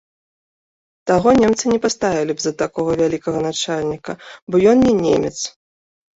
Таго немцы не паставілі б за такога вялікага начальніка, бо ён не немец.